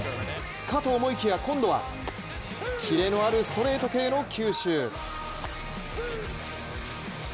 かと思いきや今度はキレのあるストレート系の球種。